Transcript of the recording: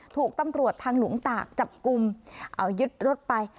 ถูกตำรวจทางหลวงตากจับกลุ่มเอายึดรถไป